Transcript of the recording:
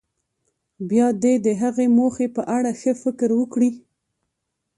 بیا دې د هغې موخې په اړه ښه فکر وکړي.